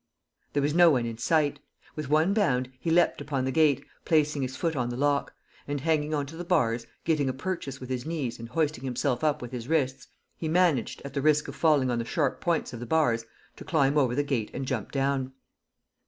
... There was no one in sight. With one bound, he leapt upon the gate, placing his foot on the lock; and, hanging on to the bars, getting a purchase with his knees and hoisting himself up with his wrists, he managed, at the risk of falling on the sharp points of the bars, to climb over the gate and jump down.